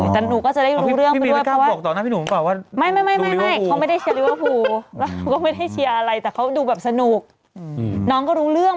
แต่หนูก็จะได้รู้เรื่อง